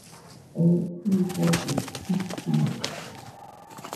Oo ɨfogɨ uiturude